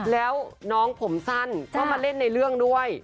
แล้วน้องผมสั้นก็มาเล่นในเรื่องด้วย